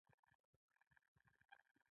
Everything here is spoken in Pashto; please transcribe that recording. مصنوعي ځیرکتیا د زده کړې خنډونه کموي.